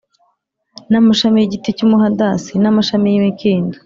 n amashami y igiti cy umuhadasi n amashami y imikindo